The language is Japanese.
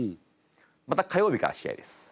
また火曜日から試合です。